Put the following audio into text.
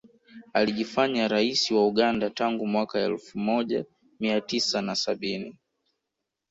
Alijifanya rais wa Uganda tangu mwaka elfu moja mia tisa na sabini